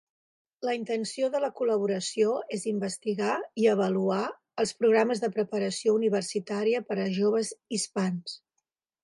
La intenció de la col·laboració és investigar i avaluar els programes de preparació universitària per a joves hispans.